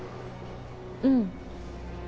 うん。